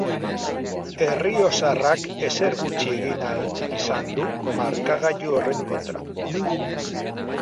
Errioxarrak ezer gutxi egin ahal izan du markagailu horren kontra.